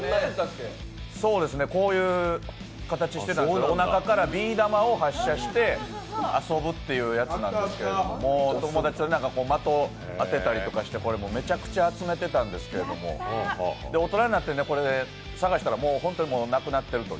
こういう形してたんですけどおなかからビー玉を発射して遊ぶというやつなんですけれども、お友達と的を当てたりしてめちゃくちゃ集めてたんですけど大人になって探したらもう本当になくなっていると。